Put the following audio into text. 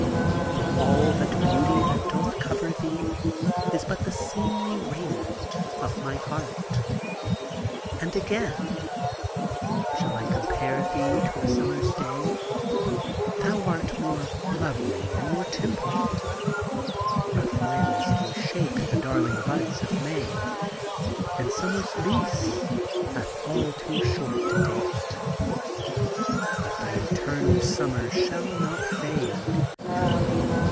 —' For ftll that beauty that doth cover thee Ib but the Beeroly raiment of my heart.' THE GARDEN GOD And again :—^ Shall I compare thee to a summer's day ? Thou art more lovely and more temperate : Rough winds do shake the darling buds of May, And summer's lease hath all too short a date :••••••• But thy eternal summer shall not fade.'